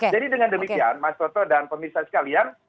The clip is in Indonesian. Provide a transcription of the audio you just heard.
jadi dengan demikian mas soto dan pemirsa sekalian